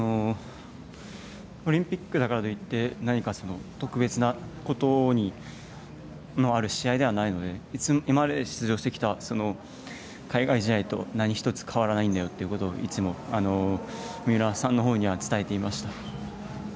オリンピックだからといい何か特別なことのある試合ではないので今まで出場してきた海外試合と何一つ変わらないんだよということをいつも三浦さんのほうには伝えていました。